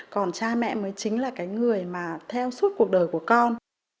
còn cha mẹ mới chính là cái người mà theo suốt cuộc đời của con